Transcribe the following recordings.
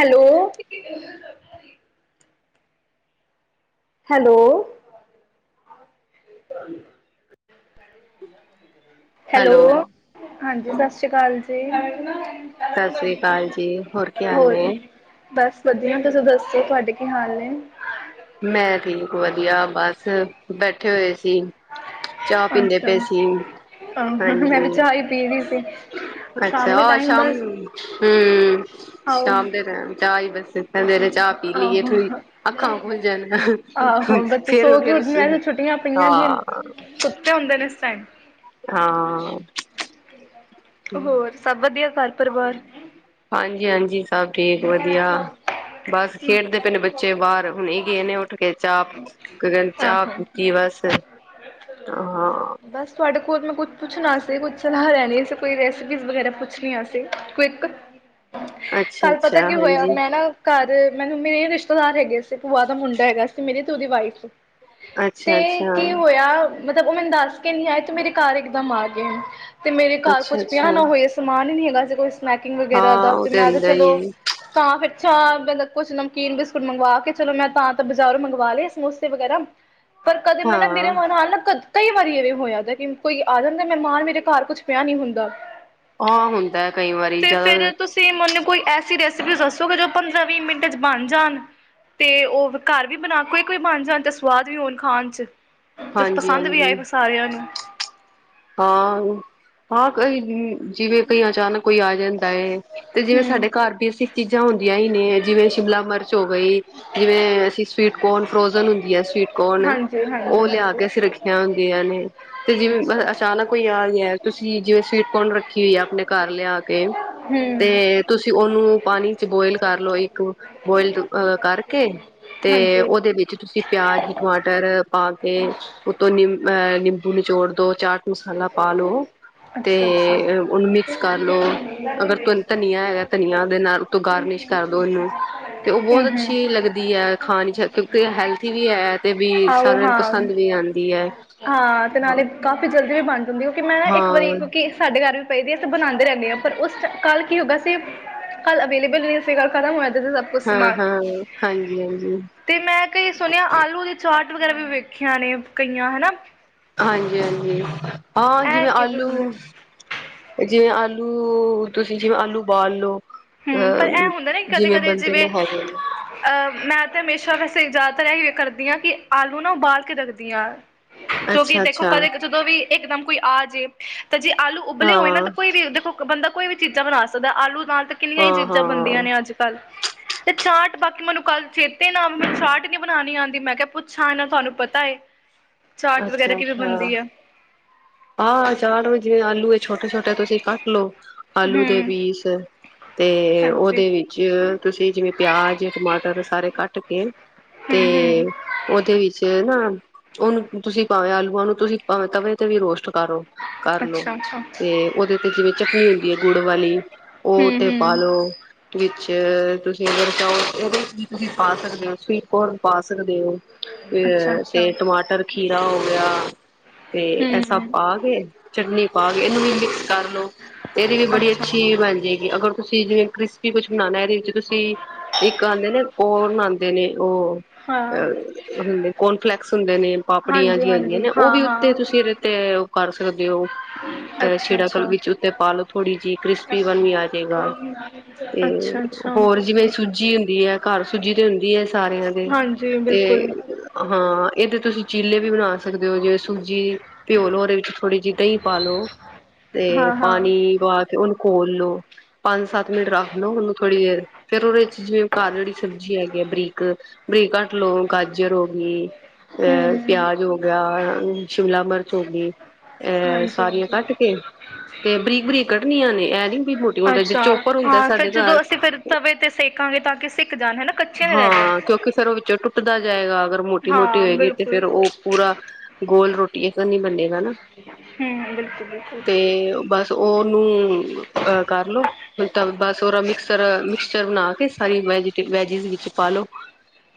Hello. Hello. ਾਂ। Hello. ਹਾਂਜੀ ਸਤਿ ਸ਼੍ਰੀ ਅਕਾਲ ਜੀ। ਸਸ਼ ਸ੍ਰੀ ਕਾਲ ਜੀ ਹੋਰ ਕੀ ਹਾਲ ਏ? ਬਸ ਵਧੀਆ ਤੁਸੀਂ ਦੱਸੋ ਤੁਹਾਡੇ ਕੀ ਹਾਲ ਨੇ? ਮੈਂ ਠੀਕ ਵਧੀਆ ਬਸ ਬੈਠੇ ਹੋਏ ਸੀ। ਚਾਹ ਪੀਂਦੇ ਅੱਛਾ ਪਏ ਸੀ ਆਹ ਮੈਂ ਵੀ ਹਾਂਜੀ ਚਾਹ ਹੀ ਪੀ ਰਹੀ ਸੀ ਸ਼ਾਮ ਅੱਛਾ, ਦੇ ਆਹ ਟਾਈਮ ਸ਼ਾਮ ਬਸ ਹੂੰ ਆਹੋ ਸ਼ਾਮ ਦੇ ਟਾਈਮ ਚਾ ਹੀ ਬਸ ਸਵੇਰੇ ਚਾਹ ਪੀ ਲਈਏ ਆਹੋ ਥੜੀ ਅੱਖਾਂੱਖਾਂ ਆਹੋ, ਬੱਚੇ ਸੋ ਕੇ ਫਿਰ ਉੱਠਦੇ, ਛੁੱਟੀਆਂ ਪਈਆਂ ਹੁੰਦੀਆਂ ਹਾਂ ਨੇ, ਸੁੱਤੇ ਹੁੰਦੇ ਨੇ ਏਨਾ ਏਸ ਟਾਈਮ ਹਾਂ। ਹੋਰ ਸਭ ਵਧ [unintelligible] ਪਰਿਵਾਰ, ਜੀ ਹਾਂਜੀ। ਸਭ ਠੀਕ ਵਧੀਆ ਬਸ ਖੇਡਦੇ ਪਏ ਨੇ ਬੱਚੇ ਬਾਰ ਹੁਣੇ ਗਏ ਉੱਠ ਕੇ ਚਾਹ ਕ ਚਾਹ ਆਹੋ ਪੀਤੀ ਬਸ। ਹਾਂ ਬਸ ਤੁਹਾਡਾ ਹੋਰ ਮੈਂ ਕੁਛ ਪੁੱਛਣਾ ਸੀ, ਕੁਛ ਚਲਾਹ ਲੈਣੀ ਸੀ, ਕੋਈ ਰੈਸਪੀ ਵਗੈਰਾ ਪੁੱਛਣੀਆ ਸੀ, ਕੋਈ ਇਕ ਕੱਲ ਪਤਾ ਅੱਛਾ-ਅੱਛਾ ਕੀ ਹੋਇਆ ਹਾਂਜੀ ਮੈਂ ਨਾ ਘਰ ਮੈਨੂੰ ਮੇਰੇ ਰਿਸ਼ਤ ਧਾਰ ਹੈਗੇ ਸ ਭੂਆ ਦਾ ਮੁੰਡਾ ਹੈਗਾ ਸੀ ਮੇਰੀ ਤੇ ਉਦੀ ਵਾਈਫ ਤੇ ਅੱਛਾ-ਅੱਛਾ ਕੀ ਹੋਇਆ ਮਤਲਬ ਉਹ ਮੈਨੂੰ ਦੱਸ ਕੇ ਨੀ ਆਏ, ਤੇ ਮੇਰੇ ਘਰ ਇਕਦਮ ਆ ਗਏ। ਤੇ ਮੇਰੇ ਘਰ ਕੁਛ ਅੱਛਾ-ਅੱਛਾ ਪਿਆ ਨਾ ਹੋਏ ਸਮਾਨ ਹੀ ਨੀ ਹੈਗਾ। ਏਸਾ ਕੁਛ ਸਨੈਕਿੰਗ ਵਗੈਰਾ ਹਾਂ ਦਾ ਉਹ ਮੈਂ ਤੇ ਹੁੰਦਾ ਹੀ ਚਲੋ ਏ ਤਾਂ ਫਿਰ ਚਾਹ ਕੁਛ ਨਮਕੀਨ ਬਿਸਕੁਟ ਮੰਗਵਾ ਕੇ ਚਲੋ ਮੈਂ ਤਾਂ ਤੇ ਬਾਜ਼ਾਰੋਂ ਮੰਗਵਾ ਲਏ ਸਮੋਸੇ ਵਗੈਰਾ। ਪਰ ਕਦੇ ਮੈਂ ਨਾ ਬਿਰੇ ਹਾਂ ਮਾਨ ਹਾਲ ਨਾ ਕਦ- ਕਈ ਵਾਰੀ ਐਵੇਂ ਹੋਇਆ ਦਾ ਕਿ ਕੋਈ ਆ ਜਾਂਦਾ ਮਹਿਮਾਨ, ਮੇਰੇ ਘਰ ਕੁਛ ਪਿਆ ਨੀ ਹੁੰਦਾ। ਆਹ ਹੁੰਦਾ ਕਈ ਵਾਰੀ ਤੇ ਜਾਦਾ ਫਿਰ ਤੁਸੀਂ ਮੈਨੂੰ ਕੋਈ ਐਸੀ ਰੈਸਪੀ ਦੱਸੋਗੇ ਜੋ ਪੰਦਰਾਂ ਵੀਹ ਮਿੰਟ 'ਚ ਬਣ ਜਾਣ ਤੇ ਉਹ ਘਰ ਵੀ ਬਣ ਕਵਿਕ ਵੀ ਬਣ ਜਾਣ ਤੇ ਸਵਾਦ ਵੀ ਹੋਣ ਖਾਣ 'ਚ। ਤੇ ਪਸੰਦ ਵੀ ਆਏ ਫੇਰ ਸਾਰਿਆਂ ਨੂੰ। ਹਾਂ-ਹਾਂ ਕਈ ਜਿਵੇਂ ਕਈ ਅਚਾਨਕ ਕੋਈ ਆ ਜਾਂਦਾ ਏ ਤੇ ਜਿਵੇਂ ਹੂੰ, ਸਾਡੇ ਘਰ ਬੇਸਿਕ ਚੀਜ਼ਾਂ ਹੁੰਦ ਹੁੰਦੀਆ ਈ ਨੇ, ਜਿਵੇਂ ਸ਼ਿਮਲਾ ਮਿਰਚ ਹੋ ਗਈ, ਜਿਵੇਂ ਅਸੀਂ ਸਵੀਟ ਕੋਰਨ ਫਰੋਜਨ ਹੁੰਦੀਆ ਏ ਸਵੀਟ ਕੌਣ ਹਾਂਜੀ, ਹਾਂਜੀ, ਉਹ ਲਿਆ ਹਾਂਜੀ। ਕੇ ਅਸੀਂ ਰੱਖੀਆਂ ਹੁੰਦੀਆਂ ਨੇ ਤੇ ਜਿਵੇਂ ਕੋਈ ਆ ਗਿਆ ਹੈ ਤੁਸੀਂ ਜਿਵੇਂ ਸਵੀਟਕੌਨ ਰੱਖੀ ਹੋਈ ਆਪਣੇ ਘਰ ਲਿਆ ਕੇ। ਤੇ ਹੂੰ, ਤੁਸੀਂ ਉਨੂੰ ਪਾਣੀ ਚ ਬੋਇਲ ਕਰ ਲਓ, ਇੱਕ ਬੋਇਲ ਅ ਕਰਕੇ ਤੇ ਹਾਂਜੀ, ਉਹਦੇ ਵਿੱਚ ਤੁਸੀਂ ਪਿਆਜ਼, ਟਮਾਟਰ ਪਾ ਕੇ ਉਤੋਂ ਨਿੰ ਅਹ ਨਿੰਬੂ ਨਿਚੋੜ ਦੋ ਚਾਰ ਮਸਾਲਾ ਪਾ ਲੋ ਅੱਛਾ, ਅੱਛਾ। ਤੇ ਉਹਨੂੰ ਮਿਕਸ ਕਰ ਲੋ। ਅਗਰ ਤ ਧਨੀਆ ਹੈਗਾ ਧਨੀਆਂ ਦੇ ਨਾਲ ਗਾਰਨਿਸ਼ ਕਰਦੋ ਇਨੂੰ। ਤੇ ਉਹ ਹੂੰ, ਬਹੁਤ ਹੂੰ, ਅੱਛੀ ਲੱਗਦੀ ਹੈ ਖਾਣੀ ਕਿਉਂਕਿ ਹੈਲਥੀ ਵੀ ਹੈ ਤੇ ਵੀ ਆਓ ਸਾਰਿਆਂ ਨੂੰ ਹਾਂ। ਪਸੰਦ ਵੀ ਆਂਦੀ ਹੈ। ਹਾਂ ਤੇ ਨਾਲੇ ਕਾਫ਼ੀ ਜਲਦੀ- ਕਿਉਂਕਿ ਮੈਂ ਨਾ ਇੱਕ ਵਾਰੀ ਹਾਂ ਕਿਉਂਕਿ ਸਾਡੇ ਘਰ ਪਈ ਦੀ ਤੇ ਬਣਾਦੇ ਰਹਿੰਦੇ ਹ ਪਰ ਉਸ ਕੱਲ ਕੀ ਹੋਗਾ ਸੀ, ਕੱਲ ਅਵੇਲੇਬਲ ਨਹੀਂ ਅਸੀਂ ਗੱਲ ਖਤਮ ਹੋਇਆ ਤੇ ਸਭ ਕੁਛ ਹਾਂ ਸਮਾਨ, ਹਾਂ ਹਾਂਜੀ ਹਾਂਜੀ ਤੇ ਮੈਂ ਕਈ ਸੁਣਿਆ ਆਲੂ ਦੀ ਚਾਟ ਵਗੈਰਾ ਵੀ ਵੇਖਿਆ ਨੇ ਕਈਆ ਹਨਾ। ਹਾਂਜੀ-ਹਾਂਜੀ ਹਾਂ ਇਹ ਜਿਵੇਂ, ਕਿਵੇਂ ਹੁੰਦਾ ਆਲੂ ਜਿਵੇਂ ਆ ਦੂ ਤੁਸੀਂ ਜਿਵੇਂ ਆਲੂ ਉਬਾਲ ਲੋੋ। ਹਮ ਪਰ ਇਹ ਹੁੰਦਾ ਨਾ ਕਦੇ, ਕਦੇ ਨੇ ਜਿਵੇਂ ਹੈਗੇ ਨੇ ਅਹ ਮੈਂ ਤੇ ਹਮੇਸ਼ਾ ਵੈਸੇ ਜ਼ਿਆਦਾਤਰ ਇਹ ਕਰਦੀ ਹਾਂ ਕਿ ਆਲੂ ਨਾ ਉਬਾਲ ਕੇ ਰੱਖਦੀ ਹਾਂ। ਕਿਉਂਕਿ ਅੱਛਾ ਦੇਖੋ ਅੱਛਾ ਕਦੇ ਜਦੋਂ ਵੀ ਇੱਕਦਮ ਕੋਈ ਆ ਜੇ ਤੇ ਜੇ ਆਲੂ ਉਬਲੇ ਹੋਏ ਨਾ ਹਾਂ ਤੇ ਕੋਈ ਵੀ ਦੇਖੋ ਬੰਦਾ ਕੋਈ ਵੀ ਚੀਜ਼ਾਂ ਬਣਾ ਸਕਦਾ ਆਲੂ ਨਾਲ ਕਿੰਨੀਆਂ ਹੀ ਹਾਂ ਚੀਜ਼ਾਂ ਬਣਦੀਆਂ ਹਾਂ ਨੇ, ਅੱਜ ਕੱਲ੍ਹ। ਤੇ ਚਾਟ ਬਾਕੀ ਮੈਨੂੰ ਕੱਲ ਚੇਤੇ ਨਾ ਮੈਨੂੰ ਚਾਟ ਹੀ ਨੀ ਬਣਾਨੀ ਆਦੀ ਮੈਂ ਕਿਹਾ ਪੁੱਛਾਂ ਇਹਨਾ ਤੁਹਾਨੂੰ ਪਤਾ ਐ। ਚਾਟ ਵਗੈਰਾ ਕਿਵੇਂ ਬਣਦੀ ਆ। ਆਹ ਚ ਜਿਵੇਂ ਆਲੂ ਇਹ ਛੋਟੇ-ਛੋਟੇ ਤੁਸੀਂ ਕੱਟ ਲੋਓ ਆਲੂ ਦੇ ਹਮ ਪੀਸ। ਤੇ ਹਾਂਜੀ ਉਹਦੇ ਵਿੱਚ ਤੁਸੀਂ ਜਿਵੇਂ ਪਿਆਜ, ਟਮਾਟਰ ਸਾਰੇ ਕੱਟ ਕੇ ਤੇ ਹਮ ਹਮ ਉਹਦੇ ਵਿੱਚ ਨਾ ਉਹਨੂੰ ਤੁਸੀਂ ਪਾਵੇਂ ਆਲੂਆਂ ਨੂੰ ਤੁਸੀਂ ਪਾਵੇਂ ਤਵੇ ਤੇ ਵੀ ਰੋਸ਼ਟ ਕਰੋ ਕਰਲੋ ਅੱਛਾ ਅੱਛਾ ਤੇ ਉਹਦੇ ਉੱਤੇ ਜਿਵੇਂ ਚਟਨੀ ਹੁੰਦੀ ਹੈ ਗੁੜ ਵਾਲੀ ਉਹ ਹਮ ਉੱਤੇ ਪਾ ਹਮ ਲਓ। ਚ ਤੁਸੀਂ ਅਗਰ ਚਾਓ ਇਹਦੇ ਚ ਵੀ ਤੁਸੀਂ ਪਾ ਸਕਦੇ ਹੋ ਸਵੀਟ ਕੋਰਨ ਪਾ ਸਕਦੇ ਤੇ ਅੱਛਾ ਅੱਛਾ ਫੇਰ ਟਮਾਟਰ, ਖੀਰਾ ਹੋ ਗਿਆ। ਤੇ ਆ ਸਭ ਹਮ ਪਾ ਚਟਨੀ ਪਾ ਕੇ ਇਹਨੂੰ ਵੀ ਮਿਕਸ ਕਰ ਲੋ ਤੇ ਇਹਦੀ ਵੀ ਬੜੀ ਅੱਛਾ ਅੱਛੀ ਬਨ ਜੇਗੀ। ਅਗਰ ਤੁਸੀਂ ਜਿਵੇਂ ਕ੍ਰਿਸਪੀ ਕੁਛ ਬਣਾਣਾ ਇਹਦੇ ਵਿੱਚ ਤੁਸੀਂ ਇੱਕ ਆਦੇ ਨੇ ਕੋਰਨ ਆਦੇ ਨੇ ਉਹ ਹਾਂ ਅ ਹੁੰਦੇ ਕੋਨਫਲੈਕਸ ਹੁੰਦੇ ਨੇ ਪਾਪੜੀਆਂ ਹਾਂਜੀ ਜਿਹੀਆਂ ਹੁੰਦੀਆਂ ਹਾਂਜੀ ਨੇ ਹਾਂ ਉਹ ਵੀ ਹਾਂ ਉੱਤੇ ਤੁਸੀਂ ਇਹਦੇ ਤੇ ਕਰ ਸਕਦੇ ਹੋ। ਅੱਛਾ ਛਿੜਕ ਲ ਅੱਛਾ ਵਿੱਚ ਉੱਤੇ ਪਾਲੋ ਥੋੜ੍ਹੀ ਜਿਹੀ ਕ੍ਰਿਸਪੀ ਪਨ ਵੀ ਆ ਅੱਛਾ ਜੇਗਾ, ਤੇ ਅੱਛਾ ਹੋਰ ਜਿਵੇਂ ਸੂਜੀ ਹੁੰਦੀ ਹੈ ਘਰ ਸੂਜੀ ਤੇ ਹੁੰਦੀ ਹੈ ਸਾਰਿਆਂ ਦੇ, ਹਾਂਜੀ ਤੇ ਬਿਲਕੁਲ ਹਾਂ ਇਹਦੇ ਤੁਸੀਂ ਚੀਲੇ ਵੀ ਬਣਾ ਸਕਦੇ ਹੋ ਜਿਵੇਂ ਸੂਜੀ ਪਿਓ ਲੋ ਉਦੇ ਥੋੜੀ ਜੀ ਦਹੀਂ ਪਾਲੋ ਤੇ ਹਾਂ ਹਾਂ ਪਾਣੀ ਵਾ ਉਹਨੂੰ ਖੋਲ ਲੋ, ਪੰਜ ਸੱਤ ਮਿੰਟ ਰੱਖ ਲਓ, ਉਹਨੂੰ ਥੋੜ੍ਹੀ ਫੇਰ ਉਹਦੇ ਚ ਜਿਵੇਂ ਕਾਲੀ ਸਬਜ਼ੀ ਹੈਗੀ ਹੈ, ਬਰੀਕ ਬਰੀਕ ਕੱਟ ਲੋ ਗਾਜਰ ਹੋ ਗਈ। ਆਹ ਹਮ ਪਿਆਜ ਹੋ ਗਿਆ, ਅਮ ਸ਼ਿਮਲਾ ਮਿਰ ਚ ਹੋਗੀ। ਹਾਂਜੀ ਹਾਂਜੀ, ਤੇ ਬਰੀਕ-ਬਰੀਕ ਕੱਢਣੀਆਂ ਨੇ ਇਹ ਨੀ ਵੀ ਮੋਟੀ-ਮੋਟੀ ਜੇ ਅੱਛਾ ਚੋਪਰ ਹੁੰਦਾ ਹਾਂ ਫਿਰ ਸਾਡੇ ਘਰ ਜਦੋਂ ਅਸੀਂ ਫਿਰ ਤਵੇ ਤੇ ਸੇਕਾ ਗੇ ਤਾਂ ਕਿ ਸਿੱਕ ਜਾਣ ਹੈਨਾ ਕ ਹਾਂ ਕਿਉਂਕਿ ਫ਼ੇਰ ਉਹ ਵਿੱਚੋਂ ਟੁੱਟਦਾ ਜਾਏਗਾ। ਮੋਟੀ ਹਾਂ ਰਹਿ ਗਈ ਤੇ ਬਿਲਕੁਲ ਫੇਰ ਉਹ ਪੂਰਾ ਗੋਲ ਰੋਟੀ, ਐਸਾ ਨੀ ਬੰਨੇਗਾ ਨਾ। ਹਮ ਬਿਲਕੁਲ ਬਿਲਕੁਲ ਤੇ ਬਸ ਉਹਨੂੰ ਆਹ ਕਰਲੋ ਤਾਂ ਬਸ ਉਹਦਾ ਮਿਕਸ ਤਰ੍ਹਾਂ ਮਿਕਸਚਰ ਬਣਾ ਕੇ ਹਰੀ ਵੈਜੀਟੇ ਵੈਜਿਸ ਵਿੱਚ ਪਾਲੋ।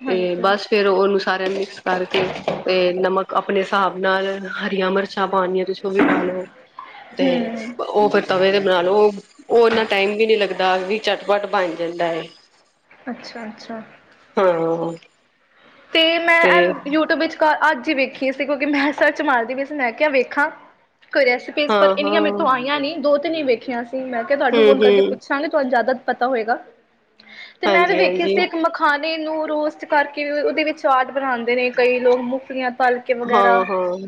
ਤੇ ਹਾਂਜੀ ਬਸ ਫੇਰ ਉਹਨੂੰ ਸਾਰਿਆਂ ਨੂੰ ਮਿਕਸ ਕਰਕੇ ਤੇ ਨਮਕ ਆਪਣੇ ਹਿਸਾਬ ਨਾਲ ਹਰੀਆਂ ਮਿਰ ਚਾ ਪਾਣੀਆ ਤੁਸੀ ਉਹ ਵੀ ਪਾ ਲੋ ਤੇ ਹਮ ਉਹ ਫਿਰ ਤਵੇ ਦੇ ਬਣਾ ਲਓ, ਓਹ ਇਹਨਾ ਟਾਈਮ ਵੀ ਨੀ ਲਗਦਾ। ਦਾਗ ਵੀ ਚਟਪਟ ਬਣ ਜਾਂਦਾ ਐ। ਅੱਛਾ ਅੱਛਾ। ਤੇ ਮੈਂ ਐ ਯੂਟਿਊਬ ਵਿੱਚਕਾਰ ਅੱਜ ਤੇ ਵੇਖੀ ਸੀ ਕਿਉਂਕਿ ਮੈਂ ਸਰਚ ਮਾਰਦੀ ਵੀ ਸੀ, ਮੈਂ ਕਿਹਾ ਵੇਖਾਂ। ਕੋਈ ਰੈਸਪੀਸ, ਹਾਂ ਪਰ ਇੰਨੀਆਂ ਹਾਂ ਮੇਰੇ ਤੋਂ ਹਮ ਆਈਆਂ ਨੀ ਦੋ ਨਹੀਂ ਵੇਖਿਆ ਸੀ। ਮੈਂ ਕਿਹਾ ਤੁਹਾਨੂੰ ਫੋਨ ਕਰਕੇ ਹਮ ਪੁੱਛਾਂਗੇ ਤੁਹਾਨੂੰ ਜ਼ਿਆਦਾ ਪਤਾ ਹੋਏਗਾ। ਤੇ ਮੈਂ ਵੀ ਹਾਂਜੀ ਵੇਖਿਆ ਹਾਂਜੀ ਸੀ, ਇੱਕ ਮਖਾਣੇ ਨੂੰ ਰੋਸਟ ਕਰਕੇ ਦੇ ਵਿੱਚ ਚਾਟ ਬਣਾਉਂਦੇ ਨੇ ਕਈ ਲੋਕ ਮੁਫਲੀਆਂ ਹਾਂ ਹਾਂ।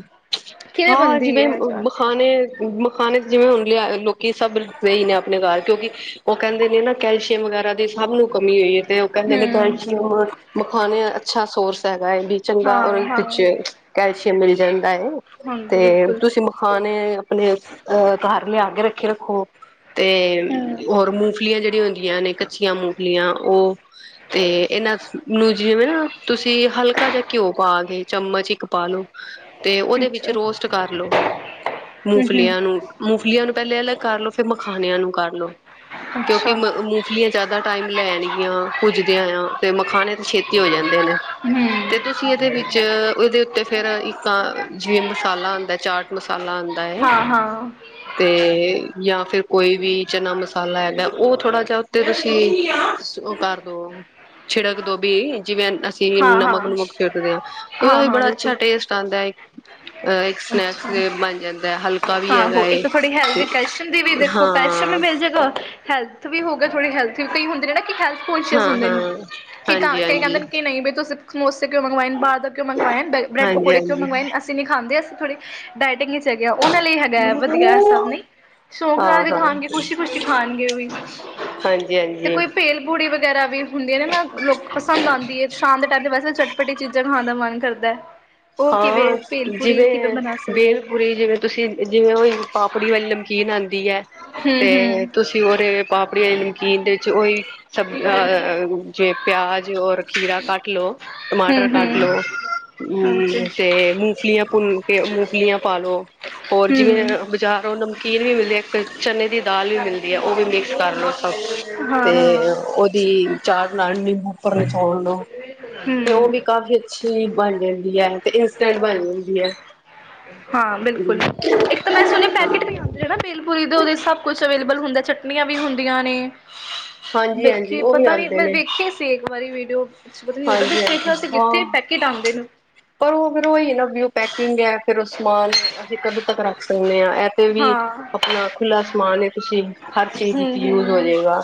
ਕਿਵੇਂ ਹਾਂ ਬਣਦੀ ਜਿਵੇਂ ਹੈ ਬ ਚਾਟ ਬਖਾਨੇ ਮਖਾਨੇ ਚ ਜਿਵੇਂ ਹੂੰਦੀ ਐ, ਲੋਕੀ ਸਭ ਲਈ ਨੇ ਆਪ। ਨਕਾਰ ਕਿਉਂਕਿ ਓ ਕਹਿੰਦੇ ਨੇ ਨਾ ਕੈਲਸ਼ੀਅਮ ਵਗੈਰਾ ਦੀ ਸਭ ਨੂੰ ਕਮੀ ਹੋਈ ਐ ਤੇ ਉਹ ਕਹਿੰਦੇ ਨੇ ਹਮ ਕੈਲਸ਼ੀਅਮ, ਮਖਾਣੇ ਅੱਛਾ ਸੋਰਸ ਹੈਗਾ ਏ, ਵੀ ਚੰਗਾ ਔਰ ਹਾਂ ਹਾਂ ਪਿੱਛੇ। ਕੈਲਸ਼ੀਅਮ ਮਿਲ ਜਾਂਦਾ ਏ ਤੇ ਹਾਂਜੀ ਬਿਲਕੁਲ ਤੁਸੀਂ ਮਖਾਣੇ ਆਪਣੇ ਅਹ ਘਰ ਲਿਆ ਕੇ ਰੱਖੇ ਰੱਖੋ। ਤੇ ਹਮ ਅ ਹੋਰ ਮੂੰਫਲੀਆਂ ਜਿਹੜੀਆਂ ਹੁੰਦੀਆਂ ਨੇ ਕੱਚੀਆਂ ਮੂੰ ਲੀਆਂ ਉਹ ਤੇ ਇਹਨਾਂ ਨੂੰ ਜਿਵੇਂ ਨਾ, ਤੁਸੀਂ ਹਲਕਾ ਜਿਹਾ ਘਿਓ ਪਾ ਕੇ, ਚਮਚ ਇੱਕ ਪਾਲੋ। ਤੇ ਉਹਦੇ ਵਿੱਚ ਅੱਛਾ ਰੋਸਟ ਕਰ ਲੋ, ਹਮ ਹਮ ਮੂੰਫਲੀਆਂ ਨੂੰ, ਮੂੰਫਲੀਆਂ ਨੂੰ ਪਹਿਲੇ ਅਲੱਗ ਕਰ ਲੋ, ਫਿਰ ਮਖਾਣਿਆਂ ਨੂੰ ਕਰਲੋ। ਕਿਉਂਕਿ ਅੱਛਾ ਮੂੰਫਲੀਆਂ ਜ਼ਿਆਦਾ ਟਾਈਮ ਲੈਣਗੀਆਂ ਭੁਜਦਿਆਂ ਆਂ ਤੇ ਮਖਾਣੇ ਤੇ ਛੇਤੀ ਹੋ ਜਾਂਦੇ ਨੇ, ਹਮ ਤੇ ਤੁਸੀਂ ਇਹਦੇ ਵਿੱਚ ਇਹਦੇ ਉੱਤੇ ਇੱਕ ਅ ਜਿਵੇਂ ਮਸਾਲਾ ਆਂਦਾ ਐ, ਚਾਟ ਮਸਾਲਾ ਆਂਦਾ ਏ, ਹਾਂ ਹਾਂ ਹਾਂ ਤੇ ਜਾਂ ਫਿਰ ਕੋਈ ਵੀ ਚਨਾ ਮਸਾਲਾ ਹੈਗਾ ਐ, ਉਹ ਥੋੜਾ ਜਿਹਾ ਉੱਤੇ ਤੁਸੀਂ ਉਹ ਕਰਦੋ, ਛਿੜਕ ਦੋ ਬੀ ਜਿਵੇਂ ਅਸੀਂ ਨਮਕ ਹਾਂ ਨੁਮਕ ਛਿੜਕਦੇ ਆ ਤੇ ਉਹਦਾ ਹਾਂ ਵੀ ਹਾਂ ਬੜਾ ਅੱਛਾ ਬਿਲਕੁਲ ਟੇਸਟ ਆਂਦਾ ਏ, ਇੱਕ ਸਨੈਕਸ ਅੱਛਾ ਦੇ ਬਣ ਜਾਂਦਾ ਐ, ਹਲਕਾ ਵੀ ਹੈਗਾ ਆਹੋ ਏ, ਇੱਕ ਤਾਂ ਥੋੜੀ ਤੇ ਹੈਲਥ ਕਸ਼ਨ ਦੀ ਵੀ ਦੇਖੋ ਪੈਸ਼ਨ ਵੀ ਹਾਂ। ਮਿਲ ਜਾਏਗਾ ਹੈਲਥ ਵੀ ਹੋਗਾ, ਥੋੜੀ ਹੈਲਥ ਵੀ ਕਈ ਹੁੰਦੇ ਨੇ ਨਾ ਕਿ ਹੈਲਥ ਕੌਨਸ਼ੀਅਸ ਹਾਂ ਹੁੰਦੇ ਹਾਂ, ਹਾਂਜੀ ਹਾਂਜੀ। ਮੈਂ ਤੋ [unintelligible] ਕਿਉਂ ਮੰਗਵਾਏ ਨੇ, ਬਾਹਰ ਦਾ ਕਿਉਂ ਮੰਗਵਾਏਆਨ, ਬ੍ਰੈਡ ਹਾਂਜੀ ਪਕੌੜੇ ਕਿਉਂ ਹਾਂਜੀ ਮੰਗਵਾਏ ਨੇ, ਅਸੀਂ ਨਹੀਂ ਖਾਂਦੇ ਅ ਥੋੜੀ ਡਾਇਟਿੰਗ ਇਚ ਹੈਗੇ ਆ, ਉਹਨਾਂ ਲਈ ਹੈਗਾ ਐ ਵਧੀਆ ਏਹ ਸਭ ਨਹੀਂ, ਸੋ਼ਂਕ ਨਾਲ ਹਾਂ ਹਾਂ ਵੀ ਖਾਣਗੇ, ਖੁਸ਼ੀ ਖੁਸ਼ੀ ਖਾਣਗੇ ਵੀ। ਹਾਂਜੀ ਤੇ ਹਾਂਜੀ ਕੋਈ ਭੇਲ ਪੂੜੀ ਵ ਗੈਰਾ ਵੀ ਹੁੰਦੀ ਆਂ ਨਾ ਮੈਮ, ਲੋਕ ਪਸੰਦ ਆਂਦੀ ਏ। ਖਾਣ ਦੇ ਟੈਮ ਤੇ ਵੈਸੇ, ਚਟਪੱਟੀ ਚੀਜ਼ਾਂ ਨੂੰ ਖਾਣ ਦਾ ਮਨ ਕਰਦਾ ਐ। ਹਾਂ, ਜਿਵੇਂ ਸਕਦੇ ਬੇਲਪੂਰੀ, ਜਿਵੇਂ ਤੁਸੀਂ ਜਿਵੇਂ ਓਈ ਪਾਪੜੀ ਵਾਲੀ ਨਮਕੀਨ ਆਂਦੀ ਐ, ਤੇ ਹਮ ਹਮ ਤੁਸੀਂ ਉਹਦੇ ਪਾਪੜੀ ਆਲੀ ਨਮਕੀਨ ਦੇ ਚ ਓਈ ਚਬ ਹੂੰ ਅਹ ਜਿਵੇਂ ਪਿਆਜ ਔਰ ਖੀ ਖੀਰਾ ਕੱਟ ਲੋ, ਟਮਾਟਰ ਹੂੰ ਕੱਟ ਲੋੋ, ਹਮ। ਹਾਂਜੀ ਜੇ ਮੂੰਫਲੀਆਂ ਭੁੰਨ ਕੇ, ਮੂੰਫਲੀਆਂ ਪਾਲੋ। ਹੋਰ ਜਿਵੇਂ ਹੂੰ। ਬਜ਼ਾਰੋ ਨਮ ਕੀਨ ਵੀ ਮਿਲਦੀ ਐ, ਇੱਕ ਚਨੇ ਦੀ ਦਾਲ ਵੀ ਮਿਲਦੀ ਐ, ਓਹ ਵੀ ਮਿਕਸ ਕਰ ਲੋ ਸਭ, ਹਾਂ ਤੇ ਅ ਉਹਦੀ ਚਾਟ ਤੇ ਉਹ ਹੂੰ ਵੀ ਕਾਫੀ ਅੱਛੀ ਬਣ ਜਾਂਦ ਦੀ ਐ, ਤੇ ਇੰਸਟੈਂਟ ਬਣ ਜਾਂਦੀ ਐ। ਹਾਂ ਬਿਲਕੁਲ। ਇੱਕ ਮੈਂ ਸੁਣਿਆ ਪੈਕੇਟ ਵੀ ਆਉਂਦੇ ਐ ਨਾ ਬੇਲ ਪੂਰੀ ਦੇ, ਉਹਦੇ ਸਭ ਕੁਛ ਅਵੇਲੇਬਲ ਹੁੰਦਾ ਐ, ਚਟਨੀਆਂ ਵੀ ਹੁੰਦੀਆਂ ਨੇ। ਹਾਂਜੀ ਹਾਂਜੀ ਵੇਖੀ ਉਹ ਵੀ ਪਤਾ ਨੀ, ਆਉਂਦੇ ਮੈਂ ਨੇ ਵੇਖੀ ਸੀ ਇਕ ਇੱਕ ਵਾਰੀ ਵੀਡੀਓ [unintelligible] ਪਤਾ ਨੀ ਔ ਕੇਂਦੇ ਹਾਂਜੀ ਹਾਂਜੀ ਦੇਖਿਆ ਸੀ, ਕਿੱਥੇ ਹਾਂ ਪੈਕੇਟ ਆਂਦੇ ਨ। ਪਰ ਔ ਫੇਰ ਔਈ ਏ ਨਾ ਵੀ ਔ ਪੈਕਿੰਗ ਐ। ਫੇਰ ਔ ਸਮਾਨ ਅਸੀ ਕਦੋਂ ਤੱਕ ਰੱਖ ਸਕਨੇ ਆਂ। ਐਪੇ ਵੀ ਹਾਂ ਅਪਣਾ ਖੁੱਲਾ ਸਮਾਨ ਏ ਤੁਸੀ ਹਰ ਚੀਜ਼ ਹੂੰ ਇੱਚ ਯੂਜ ਹੂੰ ਹੋਜੇਗਾ।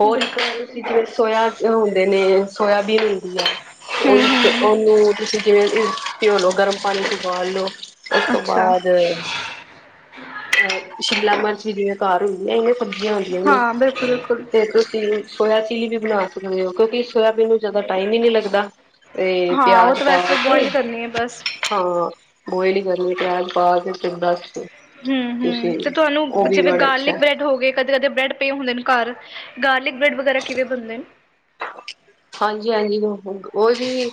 ਹੋਰ ਇੱਕ ਬਿਲਕੁਲ ਤੁਸੀ ਬਿਲਕੁਲ ਜਿਵੇਂ ਸੋਇਆ ਅ ਹੁੰਦੇ ਨੇ ਸੋਇਆਬੀਨ ਹੁੰਦੀ ਐ, ਹੂੰ ਔ ਇੱਕ ਹੂੰ ਔਨੂੰ ਤੁਸੀ ਫੇਰ ਇਸ ਪਿਔ ਲੋ ਗਰਮ ਪਾਣੀ ਵਿੱਚ ਉਬਾਲ ਲੋ। ਓਸ ਤੋਂ ਅੱਛਾ ਬਾਦ ਅਹ ਸ਼ਿਮਲਾ ਮਰਚ ਵੀ ਜਿਵੇਂ ਘਾਰ ਹੁੰਦੀਆਂ ਈ ਏ। ਸਬਜ਼ੀਆਂ ਹੁੰਦੀਆਂ ਈ ਨੇ ਹਾਂ ਬਿਲਕੁਲ ਬਿਲਕੁਲ ਤੇ ਤੁਸੀ ਇਹਦੇ ਇੱਚ ਸੋਇਆ ਟੀ ਵੀ ਬਣਾ ਸਕਦੇ ਔ ਕਿਉਂਕਿ ਸੋਇਆਬੀਨ ਨੂੰ ਜ ਦਾ ਟਾਈਮ ਈ ਨੀ ਲੱਗਦਾ ਤੇ ਪਿਆਜ ਸੇ ਕੇ ਬੋਇਲ ਈ ਕਰਨੀ ਏ ਬਸ। ਹਾਂ ਬੋਇਲ ਈ ਕਰਨੀ ਏ ਪਿਆਜ ਪਾ ਕੇ ਤੇ ਬਸ ਹੂੰ-ਹੂੰ ਤੁਸੀਂ ਤੇ ਉਹ ਤੁਆਨੂੰ ਵੀ ਜਿਵੇਂ ਬੜਾ ਅੱਛਾ ਗਾਰਲਿਕ ਬ੍ਰੈਡ ਹੋ ਗਏ ਕਦੇ-ਕਦੇ ਬ੍ਰੈਡ ਪਏ ਹੁੰਦੇ ਨੇ ਘਰ। ਗਾਰਲਿਕ ਬ੍ਰੈਡ ਵਗੈਰਾ ਕਿਵੇਂ ਬਣਦੇ ਨੇ? ਹਾਂਜੀ-ਹਾਂਜੀ [unintelligible] ਔ ਵੀ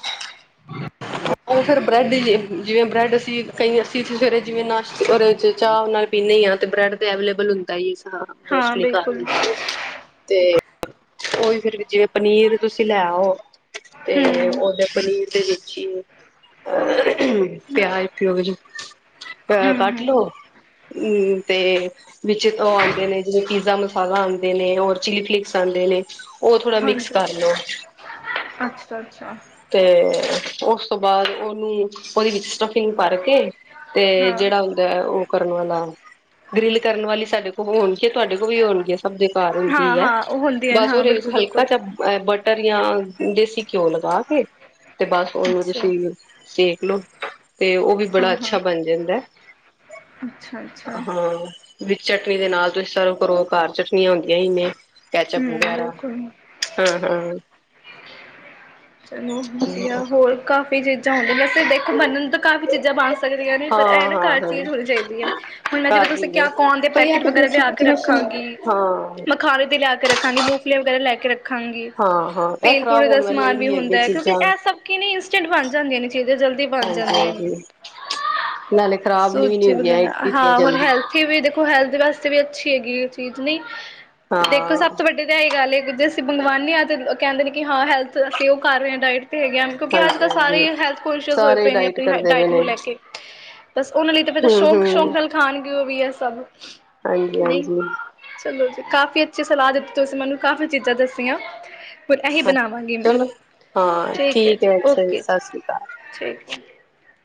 ਔ ਫੇਰ ਬ੍ਰੈਡ ਜੇ ਜਿਵੇਂ ਬ੍ਰੈਡ ਅਸੀ ਕਈਂ ਅਸੀ ਸਵੇਰੇ ਜਿਵੇਂ ਨਾਸ਼ ਤੇ ਔਰੇ ਚ ਚਾਅ ਔ ਨਾਲ ਪੀਨੇ ਈ ਆਂ। ਤੇ ਬ੍ਰੈਡ ਤੇ ਅਵੇਲੇਬਲ ਹੁੰਦੈ ਈ ਹਾਂ, ਮੋਸਟਲੀ ਘਰ ਵਿੱਚ ਤੇ ਔ ਵੀ ਫੇਰ ਵੀ ਜਿਵੇਂ ਪਨੀ ਤੁਸੀ ਲੈ ਆਔ ਤੇ ਹੂੰ, ਉਹਦੇ ਪਨੀਰ ਦੇ ਵਿੱ ਚ ਪਿਆਜ-ਪਿਓਜ ਅ ਕੱਟ ਹੂੰ-ਹੂੰ ਲੋੋ, ਹੂੰ ਤੇ ਵਿੱਚ ਔ ਆਂਦੇ ਨੇ ਜਿਵੇਂ ਪੀਜ਼ਾ ਮਸਾਲਾ ਆਂਦੇ ਨੇ ਹੋਰ ਚਿਲੀ ਫਲੇਕਸ ਆਂਦੇ ਨੇ ਔ ਥੋੜਾ ਮਿਕਸ ਹਾਂਜੀ ਕਰ ਲੋ ਅੱਛਾ-ਅੱਛਾ। ਤੇ ਔਸ ਤੋਂ ਬਾਦ ਔਨੂੰ ਔਦੇ ਵਿੱਚ ਸਟਫਿੰਗ ਭਰ ਕੇ ਤੇ ਹਾਂ, ਜਿਹੜਾ ਹੁੰਦਾ ਐ ਔ ਕੱ ਟਨ ਵਾਲਾ, ਗ੍ਰਿਲ ਕਰਨ ਵਾਲੀ ਸਾਡੇ ਕੋ ਹੋਣਗੀਆਂ ਤੁਹਾਡੇ ਕੋ ਵੀ ਹੋਣਗੀਆਂ। ਸਭ ਦੇ ਘਰ ਹੁੰਦੀ ਐ ਹਾਂ-ਹਾਂ ਉਹ ਹੁੰਦੀਆਂ ਨੇ ਬਸ ਹਾਂ ਔਰੇ ਵਿੱਚ ਹਲਕਾ ਬਿਲਕੁਲ-ਬਿਲਕੁਲ। ਜਾ ਐ ਬਟਰ ਯਾਂ ਦੇਸੀ ਘਿਓ ਲਗਾ [inaudible] ਤੇ ਬਸ ਉਹਰ ਅੱਛਾ ਤੁਸੀਂ ਤੇ [unintelligible] ਤੇ ਉਹ ਵੀ ਬੜਾ ਅੱਛਾ ਬਣ ਜਾਂਦਾ ਹੈ ਅੱਛਾ ਅੱਛਾ ਵਿੱਚ ਚਟਨੀ ਦੇ ਨਾਲ ਤੁਸੀਂ ਸਰਵ ਕਰੋ ਘਰ ਚਟਨੀਆਂ ਹੁੰਂਦੀਆਂ ਹੀ ਨੇ ਕੈਚਪ ਹੂੰ ਵਗੈਰਾ ਬਿਲਕੁਲ। ਹੂਮ ਹੂਮ ਚਲੋ ਵਧੀਆ ਹੋਰ ਕਾ ਚੀਜ਼ਾਂ ਹੁੰਦੀਆਂ ਵੈਸ ਦੇਖੋ ਮੰਨਣ ਨੂੰ ਤਾਂ ਕਾਫ਼ੀ ਚੀਜ਼ਾਂ ਬਣ ਸਕਦੀਆਂ ਨੇ ਪਰ ਇਹ ਹਾਂ ਨਾ ਹਾਂ ਘਰ ਹਾਂ ਚੀਜ਼ ਹੋਣੀ ਚਾਹੀਦੀ ਹੈ ਹੁਣ ਮੈਂ ਜਿਵੇ ਘਰ ਤੁਸੀਂ ਹੀ ਨੇ ਕਿਆ ਕੋਨ ਦੇ ਪਰ ਇਹ ਪੈਕਟ ਤਾਂ ਵਗੈਰਾ ਬੇਸਿਕ ਲਿਆ ਕੇ ਜਿਵੇਂ ਰੱਖਾਂਗੀ ਹਾਂ ਮਖਾਨਣੇ ਤੇ ਲਿਆ ਕੇ ਰੱਖਾਂਗੀ ਮੂਫਲੀਆਂ ਵਗੈਰਾ ਲੈ ਕੇ ਰੱਖਾਂਗੀ। ਹਾਂ ਹਾਂ ਇਹ ਭੇਲ ਖ਼ਰਾਬ ਪੂੜੇ ਦਾ ਹੋਣ ਵਾਲੀ ਸਮਾਨ ਹੁੰਦਾ ਕਿਉਕਿ ਇਹ ਇਟਟ ਬਣ ਜਾਂ ਨੇ ਚੀਜ਼ਾਂ ਜਲਦੀ ਬਣ ਹਾਂਜੀ ਜਾਂਦੀਆਂ ਨੇ ਹਾਂਜੀ ਨਾਲੇ ਖ਼ਰਾਬ ਨੀ ਵੀ ਨੀ ਸੂਜੀ ਹੁੰਦੀਆਂ ਵਗੈਰਾ ਕੀਤੀਆਂ ਹਾਂ ਹੋਥ ਜਲਦੀ ਉਹ ਹੈਲਥ ਵਾਸਤੇ ਵੀ ਅੱਛੀ ਹੈਗੀ ਇਹ ਚੀਜ਼ ਨਹੀਂ ਹਾਂ ਦੇਖੋ ਸਭ ਤੋਂ ਵੱਡੀ ਤਾਂ ਇਹਹੀ ਗੱਲ ਜੇ ਅਸੀਂ ਮਗਵਾਉਾਨਦੇ ਹਾਂ ਤਾਂ ਕਹਿੰਦੇ ਨੇ ਕਿ ਹਾਂ ਹੈਲਥ ਅਸੀਂ ਕਰ ਰਹੇ ਹਾਂ ਡਾਇਟ ਹੈਗੇ ਕਿਉਂਕਿ ਅੱਜ ਹਾਂਜੀ ਕੱਲ੍ਹ ਹਾਂਜੀ ਸਾਰੇ ਹੈਲਥ ਕੋਂਸ਼ਅਸ ਹੋਏ ਸਾਰੇ ਪਏ ਨੇ ਡਾਇਟ ਆਪਣੀ ਕਰਦੇ ਪਏ ਡਾਇਟ ਨੇ ਨੂੰ ਲੈ ਕੇ ਬਸ ਉਹਨਾਂ ਲਈ ਫ ਹਮ ਸ਼ੌਕ ਹਮ ਸ਼ੌਕ ਨਾਲ ਖਾਣਗੇ ਵੀ ਹੈ ਸਭ ਹਾਂਜੀ ਨਹੀਂ ਹਾਂਜੀ ਚਲੋ ਜੀ ਕਾਫੀ ਅੱਛੀ ਸਲਾਹ ਤੁਸੀਂ ਮੈਨੂੰ ਕਾਫ਼ੀ ਚੀਜ਼ਾਂ ਦੱਸੀਆਂ ਫਿਰ ਇਹੀ ਬਣਾਵਾਂਗੀ ਮੈਂ ਚਲੋ ਹਾਂ ਠੀਕ ਜੀ ਹੈ ਅੱਛਾ ਓਕੇ ਸਤਿ ਜੀ ਸ਼੍ਰੀ ਅਕਾਲ [inaudible]